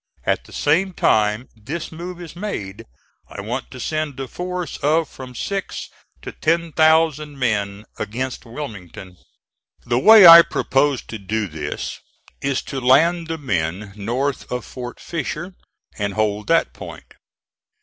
At the same time this move is made, I want to send a force of from six to ten thousand men against Wilmington. The way I propose to do this is to land the men north of Fort Fisher, and hold that point.